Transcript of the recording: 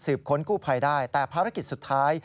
ค้นกู้ภัยได้แต่ภารกิจสุดท้าย